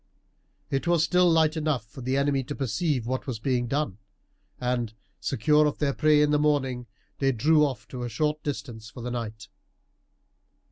It was still light enough for the enemy to perceive what was being done, and, secure of their prey in the morning, they drew off to a short distance for the night.